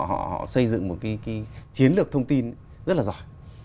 họ xây dựng một cái chiến lược thông tin rất là giỏi